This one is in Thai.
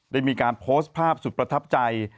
ได้มีการโพสต์ภาพสุดประทับใจ